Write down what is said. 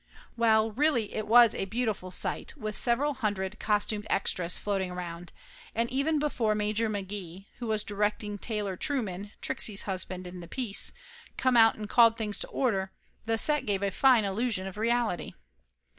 Well, really it was a beautiful sight with several hundred costumed extras floating around and even be fore Major McGee, who was directing Taylor True man, Trixie's husband, in the piece, come out and called things to order, the set give a fine illusion of reality.